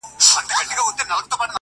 یا بس گټه به راوړې په شان د وروره،